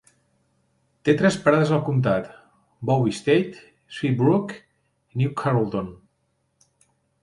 Té tres parades al comtat: Bowie State, Seabrook i New Carrollton.